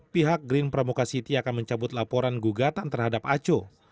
pihak green pramuka city akan mencabut laporan gugatan terhadap aco